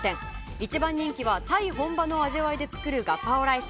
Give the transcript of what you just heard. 一番人気はタイ本場の味わいで作るガパオライス。